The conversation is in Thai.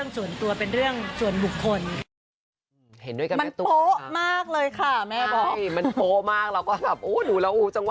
ส่วนบุคคล